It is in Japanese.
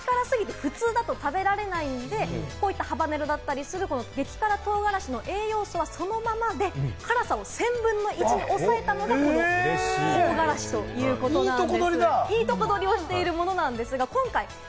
ただ、まぁ激辛すぎて普通だと食べられないので、こういったハバネロだったり、激辛唐辛子の栄養素をそのままで辛さを１０００分の１に抑えたのが香辛子ということになるんです。